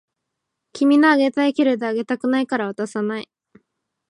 君のあげたいけれどあげたくないから渡さない